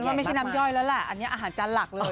ไม่ใช่น้ำย่อยแล้วแหละอันนี้อาหารจานหลักเลย